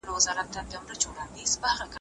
ولي لېواله انسان د تکړه سړي په پرتله ډېر مخکي ځي؟